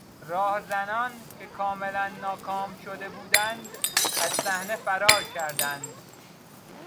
راهزنان که کاملا ناکام شده بودند از صحنه فرار کردند.